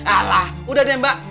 alah udah deh mbak